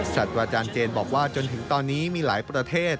สัตว์อาจารย์เจนบอกว่าจนถึงตอนนี้มีหลายประเทศ